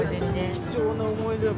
貴重な思い出よ